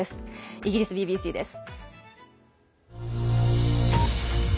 イギリスＢＢＣです。